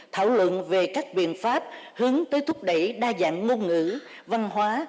thảo luận về các biện pháp hướng tới thúc đẩy đa dạng ngôn ngữ văn hóa